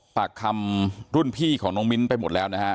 ปากคำรุ่นพี่ของน้องมิ้นไปหมดแล้วนะฮะ